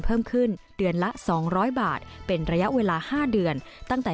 เพิ่มขึ้นเดือนละ๒๐๐บาทเป็นระยะเวลา๕เดือนตั้งแต่